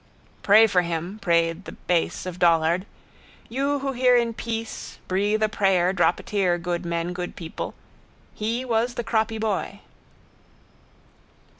Pray for him, prayed the bass of Dollard. You who hear in peace. Breathe a prayer, drop a tear, good men, good people. He was the croppy boy.